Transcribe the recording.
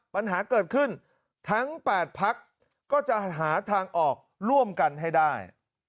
ปัญหาเกิดขึ้นทั้ง๘พักก็จะหาทางออกร่วมกันให้ได้